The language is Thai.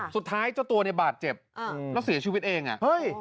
สุดท้ายเจ้าตัวในบาดเจ็บอือ